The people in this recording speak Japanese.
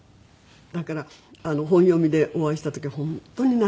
だから本読みでお会いした時本当に懐かしくて。